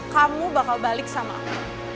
kamu bakal balik sama aku